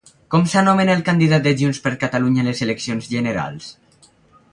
Com s'anomena el candidat de Junts per Catalunya a les eleccions generals?